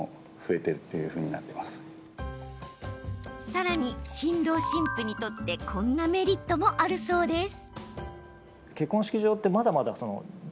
さらに、新郎新婦にとってこんなメリットもあるそうです。